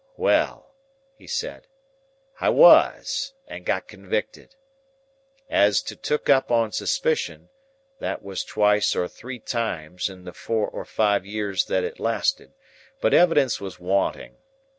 "Well!" he said, "I was, and got convicted. As to took up on suspicion, that was twice or three times in the four or five year that it lasted; but evidence was wanting.